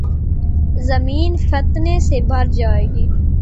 زمین فتنے سے بھر جائے گی۔